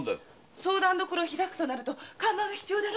相談処を開くとなると看板が必要だろ。